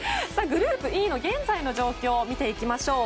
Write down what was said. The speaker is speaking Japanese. グループＥの現在の状況を見ていきましょう。